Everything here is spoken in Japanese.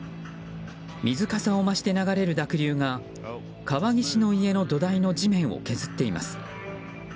水かさを増して流れる濁流が川岸の家の土台の地面を削っています。